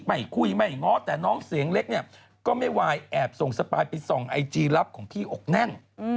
ไม่คุยไม่ง้อแต่น้องเสียงเล็กเนี่ยก็ไม่วายแอบส่งสปายไปส่องไอจีลับของพี่อกแน่น